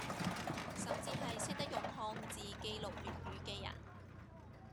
甚至係識得用漢字記錄粵語嘅人